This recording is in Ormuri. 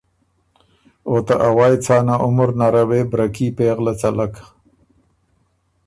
او ته اوایٛ څانه عمر نره وې بره کي پېغله څلک۔